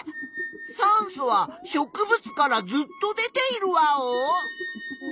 酸素は植物からずっと出ているワオ？